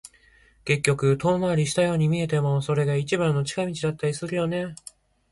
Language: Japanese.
結局、遠回りしたように見えても、それが一番の近道だったりするよね。